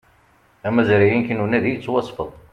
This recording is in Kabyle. Amazray-inek n unadi yettwasfed